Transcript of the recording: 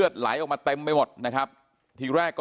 เป็นมีดปลายแหลมยาวประมาณ๑ฟุตนะฮะที่ใช้ก่อเหตุ